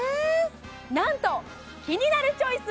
なんと「キニナルチョイス」